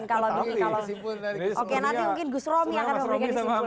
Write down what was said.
oke nanti mungkin gus romy akan memberikan kesimpulan